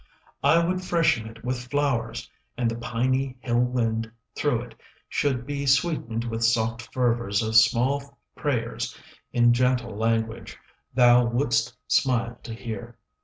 15 I would freshen it with flowers, And the piney hill wind through it Should be sweetened with soft fervours Of small prayers in gentle language Thou wouldst smile to hear.